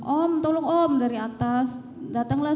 om tolong om dari atas datanglah